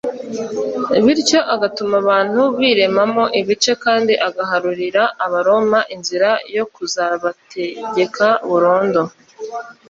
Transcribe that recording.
, bityo agatuma abantu birema mo ibice kandi agaharurira Abaroma inzira yo kuzabategeka burundu.